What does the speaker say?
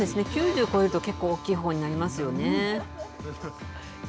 ９０超えると結構大きいほうになりますよね。